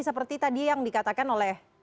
seperti tadi yang dikatakan oleh